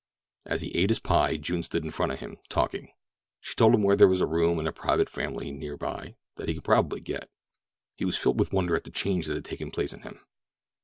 As he ate his pie June stood in front of him, talking. She told him where there was a room in a private family near by that he could probably get. She was filled with wonder at the change that had taken place in him.